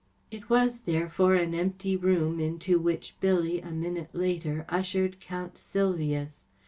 ‚ÄĚ I T was, therefore, an empty room into which Billy, a minute later, ushered Count Sylvius.